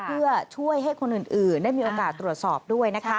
เพื่อช่วยให้คนอื่นได้มีโอกาสตรวจสอบด้วยนะคะ